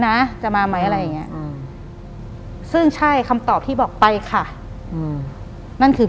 หลังจากนั้นเราไม่ได้คุยกันนะคะเดินเข้าบ้านอืม